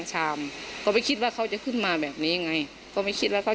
จนใดเจ้าของร้านเบียร์ยิงใส่หลายนัดเลยค่ะ